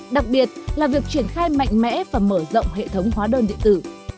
đặc biệt là việc triển khai mạnh mẽ và mở rộng hệ thống hóa đơn điện tử